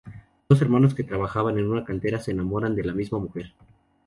Dos hermanos que trabajan en una cantera se enamoran de la misma mujer.